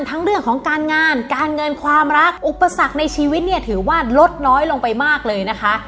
ทั้งเรื่องของการงานการเงินความรักอุปสรรคในชีวิตเนี่ยถือว่าลดน้อยลงไปมากเลยนะคะ